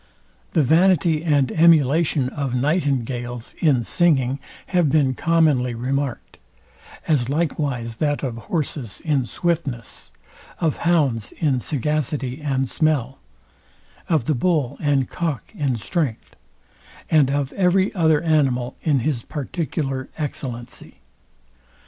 The vanity and emulation of nightingales in singing have been commonly remarked; as likewise that of horses in swiftness, of hounds in sagacity and smell, of the bull and cock in strength, and of every other animal in his particular excellency.